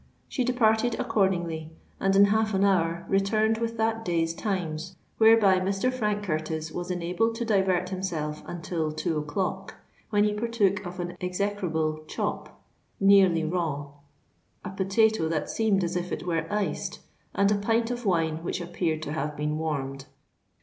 She departed accordingly, and in half an hour returned with that day's Times, whereby Mr. Frank Curtis was enabled to divert himself until two o'clock, when he partook of an execrable chop nearly raw, a potato that seemed as if it were iced, and a pint of wine which appeared to have been warmed.